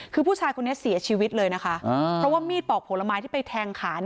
คือผู้ชายคนนี้เสียชีวิตเลยนะคะเพราะว่ามีดปอกผลไม้ที่ไปแทงขา